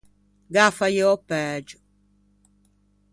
Gh’â faiò pægio.